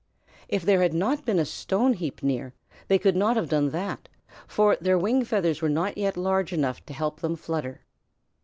If there had not been a stone heap near, they could not have done that, for their wing feathers were not yet large enough to help them flutter.